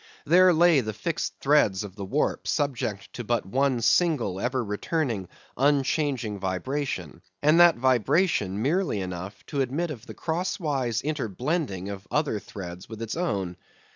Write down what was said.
There lay the fixed threads of the warp subject to but one single, ever returning, unchanging vibration, and that vibration merely enough to admit of the crosswise interblending of other threads with its own.